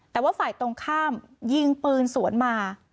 แต่ว่าฝ่ายตรงข้ามยิงปืนสวนมา